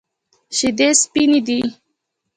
شیدې سپینې دي.